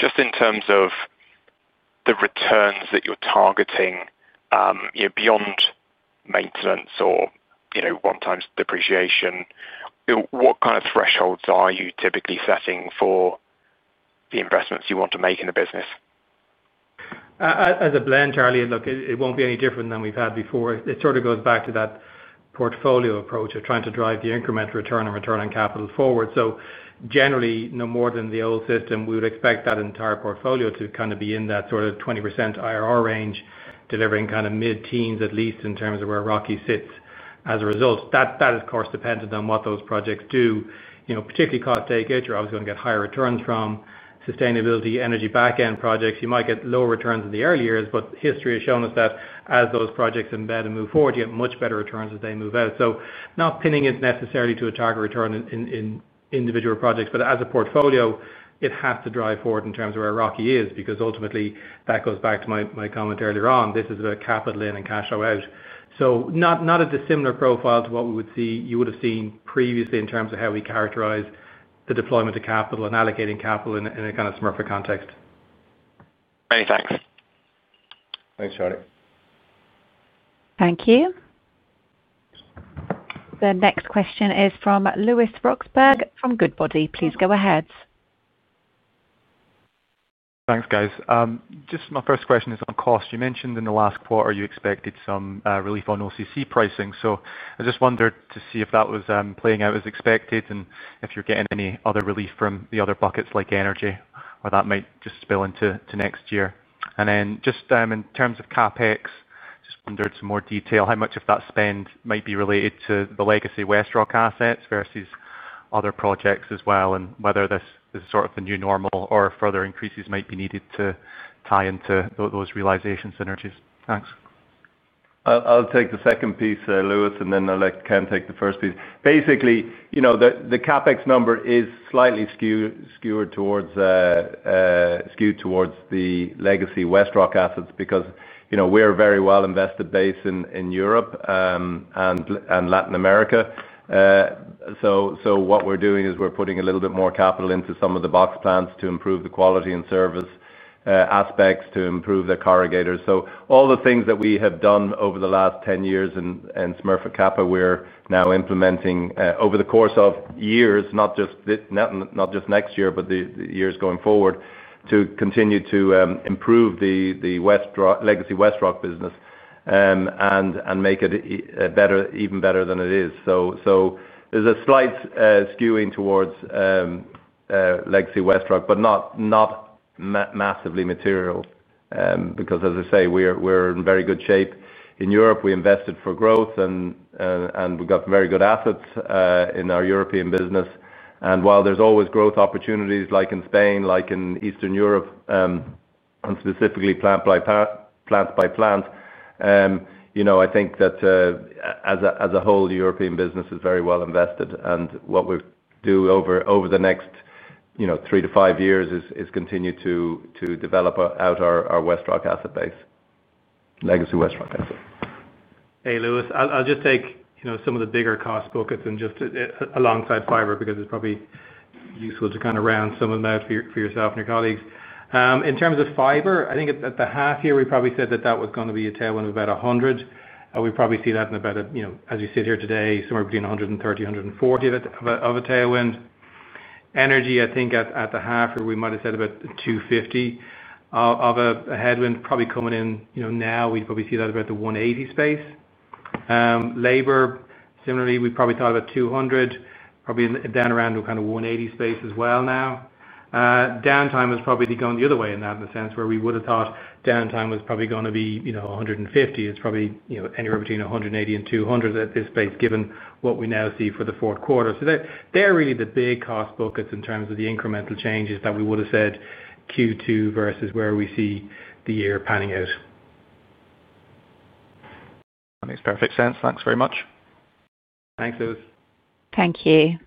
Just in terms of the returns that you're targeting, beyond maintenance or one-time depreciation, what kind of thresholds are you typically setting for the investments you want to make in the business? As a blend, Charlie, look, it won't be any different than we've had before. It sort of goes back to that portfolio approach of trying to drive the incremental return and return on capital forward. Generally, no more than the old system, we would expect that entire portfolio to kind of be in that sort of 20% IRR range, delivering kind of mid-teens, at least in terms of where ROCI sits as a result. That is cost-dependent on what those projects do. Particularly cost takeout, you're obviously going to get higher returns from. Sustainability, energy backend projects, you might get lower returns in the early years, but history has shown us that as those projects embed and move forward, you get much better returns as they move out. Not pinning it necessarily to a target return in individual projects, but as a portfolio, it has to drive forward in terms of where ROCI is because ultimately that goes back to my comment earlier on. This is about capital in and cash flow out. Not a dissimilar profile to what we would see, you would have seen previously in terms of how we characterize the deployment of capital and allocating capital in a kind of Smurfit context. Many thanks. Thanks, Charlie. Thank you. The next question is from Lewis Roxburgh from Goodbody. Please go ahead. Thanks, guys. Just my first question is on cost. You mentioned in the last quarter you expected some relief on OCC pricing. I just wondered to see if that was playing out as expected and if you're getting any other relief from the other buckets like energy, or that might just spill into next year. In terms of CapEx, I just wondered some more detail how much of that spend might be related to the Legacy WestRock assets versus other projects as well, and whether this is sort of the new normal or further increases might be needed to tie into those synergy realization. Thanks. I'll take the second piece, Lewis, and then I'll let Ken take the first piece. Basically, you know, the CapEx number is slightly skewed towards the Legacy WestRock assets because, you know, we're a very well-invested base in Europe and Latin America. What we're doing is we're putting a little bit more capital into some of the box plants to improve the quality and service aspects, to improve the corrugators. All the things that we have done over the last 10 years in Smurfit Kappa, we're now implementing over the course of years, not just next year, but the years going forward, to continue to improve the Legacy WestRock business and make it even better than it is. There's a slight skewing towards Legacy WestRock, but not massively material because, as I say, we're in very good shape. In Europe, we invested for growth and we've got very good assets in our European business. While there's always growth opportunities, like in Spain, like in Eastern Europe, and specifically plants by plants, you know, I think that as a whole, the European business is very well invested. What we'll do over the next, you know, three to five years is continue to develop out our WestRock asset base, Legacy WestRock asset. Hey, Lewis. I'll just take some of the bigger cost booklets and just alongside fiber because it's probably useful to kind of round some of them out for yourself and your colleagues. In terms of fiber, I think at the half year, we probably said that that was going to be a tailwind of about $100 million. We probably see that in about, as you sit here today, somewhere between $130 million, $140 million of a tailwind. Energy, I think at the half year, we might have said about $250 million of a headwind probably coming in now. We'd probably see that about the $180 million space. Labor, similarly, we probably thought about $200 million, probably down around kind of $180 million space as well now. Downtime has probably gone the other way in the sense where we would have thought downtime was probably going to be $150 million. It's probably anywhere between $180 million-$200 million at this space, given what we now see for the fourth quarter. They're really the big cost booklets in terms of the incremental changes that we would have said Q2 versus where we see the year panning out. That makes perfect sense. Thanks very much. Thanks, Lewis. Thank you.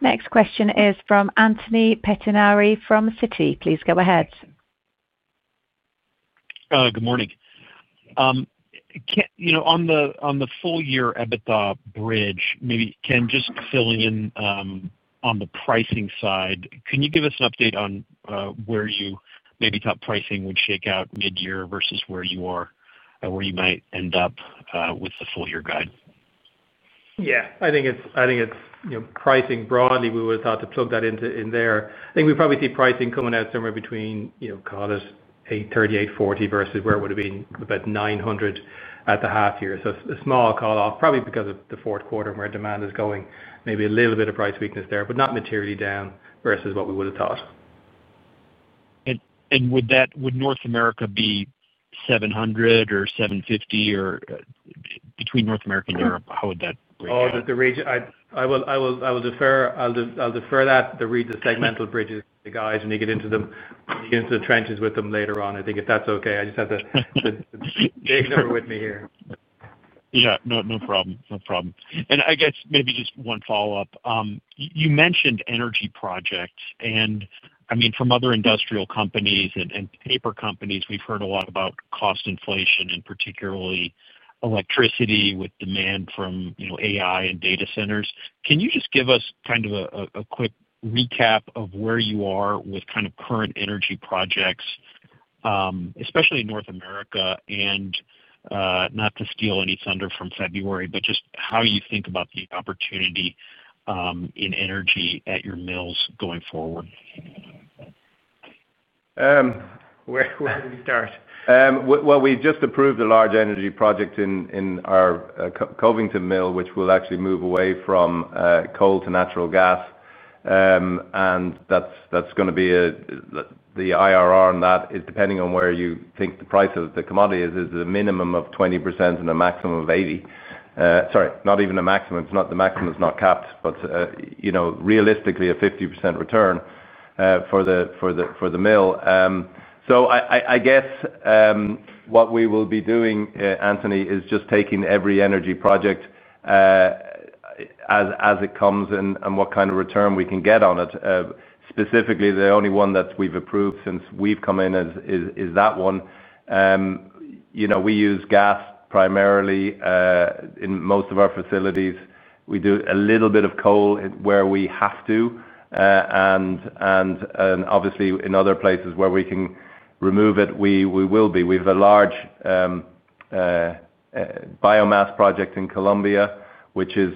Next question is from Anthony Pettinari from Citi. Please go ahead. Good morning. On the full-year EBITDA bridge, maybe, Ken, just filling in on the pricing side, can you give us an update on where you maybe thought pricing would shake out mid-year versus where you are and where you might end up with the full-year guide? I think it's, you know, pricing broadly, we would have thought to plug that in there. I think we'd probably see pricing coming out somewhere between, you know, call us $830, $840 versus where it would have been about $900 at the half year. A small call-off, probably because of the fourth quarter and where demand is going, maybe a little bit of price weakness there, but not materially down versus what we would have thought. Would North America be $700 million or $750 million, or between North America and Europe? How would that break out? The region, I'll defer that. The region segmental bridges, the guys, when you get into them, when you get into the trenches with them later on, I think if that's okay. I just have the big number with me here. No problem. I guess maybe just one follow-up. You mentioned energy projects, and from other industrial companies and paper companies, we've heard a lot about cost inflation, particularly electricity with demand from AI and data centers. Can you just give us a quick recap of where you are with current energy projects, especially in North America? Not to steal any thunder from February, but just how you think about the opportunity in energy at your mills going forward. Where do we start? We've just approved a large energy project in our Covington mill, which will actually move away from coal to natural gas. That's going to be the IRR on that, depending on where you think the price of the commodity is, is a minimum of 20% and a maximum of 80. Sorry, not even a maximum. The maximum is not capped, but, you know, realistically, a 50% return for the mill. I guess what we will be doing, Anthony, is just taking every energy project as it comes and what kind of return we can get on it. Specifically, the only one that we've approved since we've come in is that one. You know, we use gas primarily in most of our facilities. We do a little bit of coal where we have to. Obviously, in other places where we can remove it, we will be. We have a large biomass project in Colombia, which is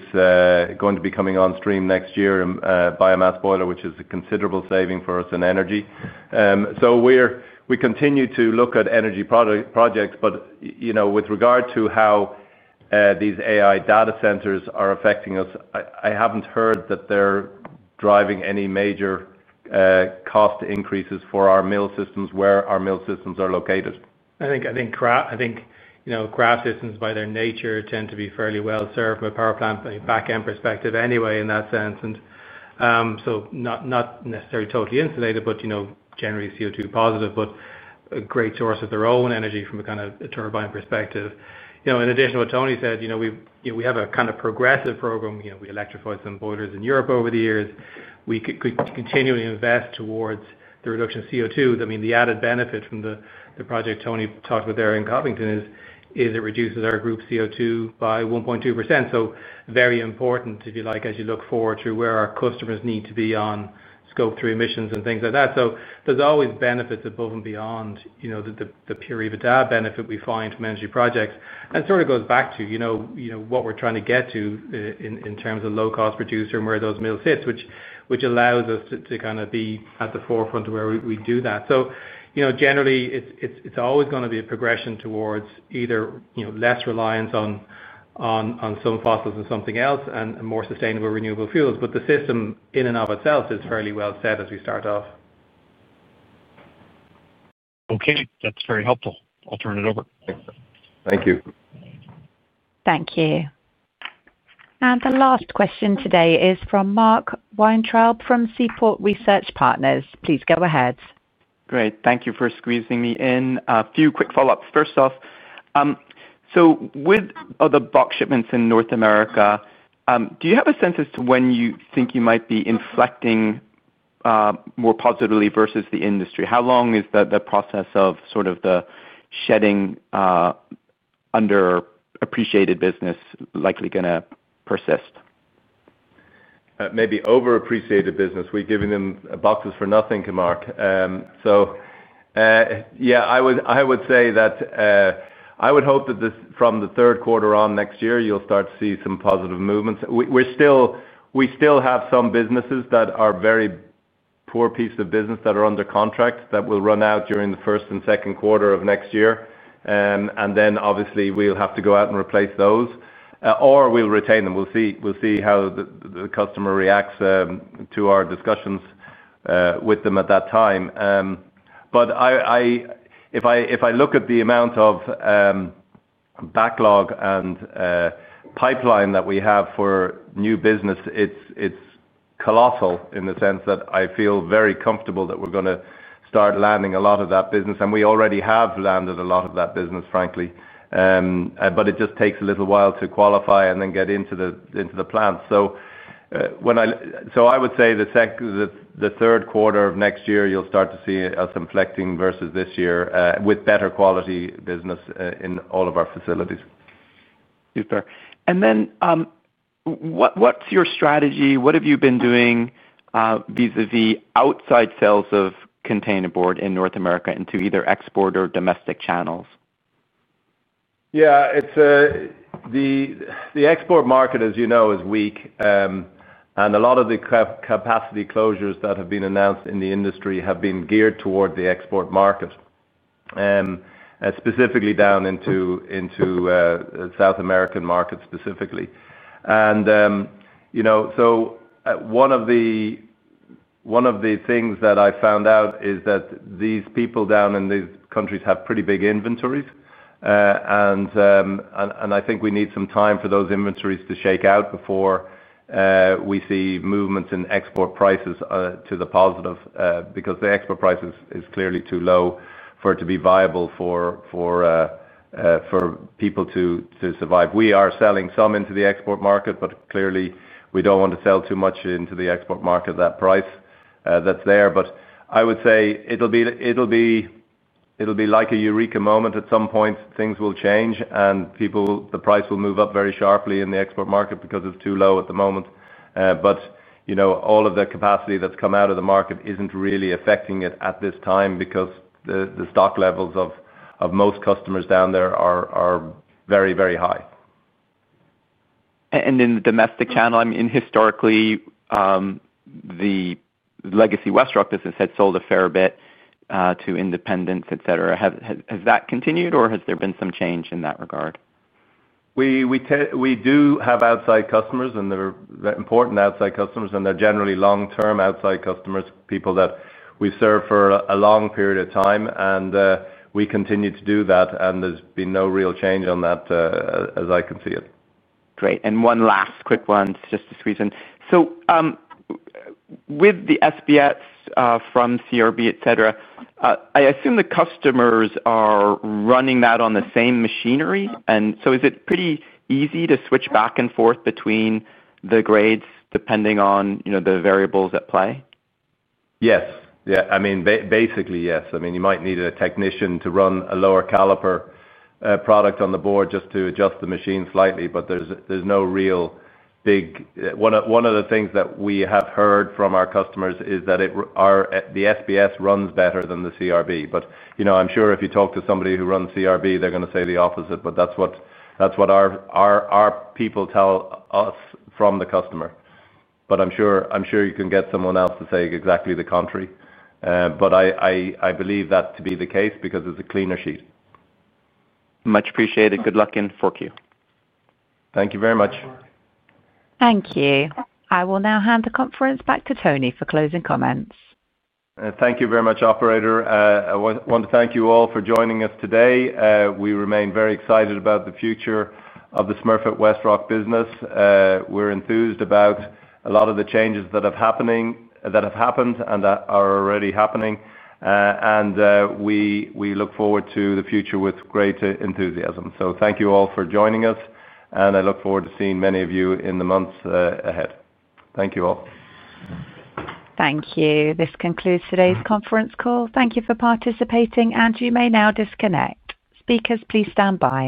going to be coming on stream next year, a biomass boiler, which is a considerable saving for us in energy. We continue to look at energy projects, but, you know, with regard to how these AI data centers are affecting us, I haven't heard that they're driving any major cost increases for our mill systems where our mill systems are located. I think, you know, kraft systems by their nature tend to be fairly well served from a power plant backend perspective anyway in that sense. Not necessarily totally insulated, but, you know, generally CO2 positive, but a great source of their own energy from a kind of turbine perspective. In addition to what Tony said, you know, we have a kind of progressive program. We electrified some boilers in Europe over the years. We could continually invest towards the reduction of CO2. The added benefit from the project Tony talked with there in Covington is it reduces our group CO2 by 1.2%. Very important, if you like, as you look forward to where our customers need to be on Scope 3 emissions and things like that. There's always benefits above and beyond, you know, the pure EBITDA benefit we find from energy projects. It sort of goes back to, you know, what we're trying to get to in terms of low-cost producer and where those mills sit, which allows us to kind of be at the forefront of where we do that. Generally, it's always going to be a progression towards either, you know, less reliance on some fossils and something else and more sustainable renewable fuels. The system in and of itself is fairly well set as we start off. Okay, that's very helpful. I'll turn it over. Thank you. Thank you. The last question today is from Mark Weintraub from Seaport Research Partners. Please go ahead. Great, thank you for squeezing me in. A few quick follow-ups. First off, with the box shipments in North America, do you have a sense as to when you think you might be inflecting more positively versus the industry? How long is the process of the shedding underappreciated business likely going to persist? Maybe overappreciated business. We've given them boxes for nothing to Mark. I would say that I would hope that from the third quarter on next year, you'll start to see some positive movements. We still have some businesses that are very poor pieces of business that are under contract that will run out during the first and second quarter of next year. Obviously, we'll have to go out and replace those, or we'll retain them. We'll see how the customer reacts to our discussions with them at that time. If I look at the amount of backlog and pipeline that we have for new business, it's colossal in the sense that I feel very comfortable that we're going to start landing a lot of that business. We already have landed a lot of that business, frankly. It just takes a little while to qualify and then get into the plants. I would say the third quarter of next year, you'll start to see us inflecting versus this year with better quality business in all of our facilities. Super. What's your strategy? What have you been doing vis-à-vis outside sales of container board in North America into either export or domestic channels? Yeah, the export market, as you know, is weak. A lot of the capacity closures that have been announced in the industry have been geared toward the export market, specifically down into the South American market specifically. One of the things that I found out is that these people down in these countries have pretty big inventories. I think we need some time for those inventories to shake out before we see movements in export prices to the positive because the export price is clearly too low for it to be viable for people to survive. We are selling some into the export market, but clearly, we don't want to sell too much into the export market at that price that's there. I would say it'll be like a eureka moment at some point. Things will change, and the price will move up very sharply in the export market because it's too low at the moment. All of the capacity that's come out of the market isn't really affecting it at this time because the stock levels of most customers down there are very, very high. In the domestic channel, historically, the Legacy WestRock business had sold a fair bit to independents, etc. Has that continued or has there been some change in that regard? We do have outside customers, and they're important outside customers, and they're generally long-term outside customers, people that we've served for a long period of time. We continue to do that, and there's been no real change on that as I can see it. Great. One last quick one, just to squeeze in. With the SBS from CRB, etc., I assume the customers are running that on the same machinery. Is it pretty easy to switch back and forth between the grades depending on the variables at play? Yes. Yeah, I mean, basically, yes. You might need a technician to run a lower caliper product on the board just to adjust the machine slightly, but there's no real big issue. One of the things that we have heard from our customers is that the SBS runs better than the CRB. You know, I'm sure if you talk to somebody who runs CRB, they're going to say the opposite, but that's what our people tell us from the customer. I'm sure you can get someone else to say exactly the contrary. I believe that to be the case because it's a cleaner sheet. Much appreciated. Good luck in 4Q. Thank you very much. Thank you. I will now hand the conference back to Tony for closing comments. Thank you very much, operator. I want to thank you all for joining us today. We remain very excited about the future of the Smurfit Westrock business. We're enthused about a lot of the changes that have happened and that are already happening. We look forward to the future with greater enthusiasm. Thank you all for joining us, and I look forward to seeing many of you in the months ahead. Thank you all. Thank you. This concludes today's conference call. Thank you for participating, and you may now disconnect. Speakers, please stand by.